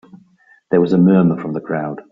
There was a murmur from the crowd.